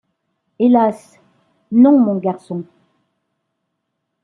Hélas! non, mon garçon !